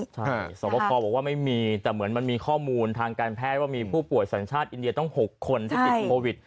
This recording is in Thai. ใช่สวบคอบอกว่าไม่มีแต่เหมือนมันมีข้อมูลทางการแพทย์ว่ามีผู้ป่วยสัญชาติอินเดียต้อง๖คนที่ติดโควิด